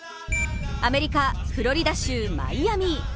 アメリカ・フロリダ州、マイアミ。